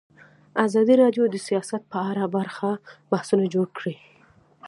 ازادي راډیو د سیاست په اړه پراخ بحثونه جوړ کړي.